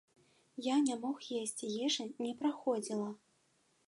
Я не мог есці, ежа не праходзіла.